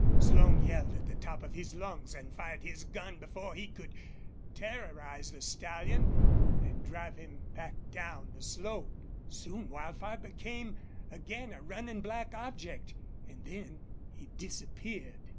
Slone yelled at the top of his lungs and fired his gun before he could terrorize the stallion and drive him back down the slope. Soon Wildfire became again a running black object, and then he disappeared.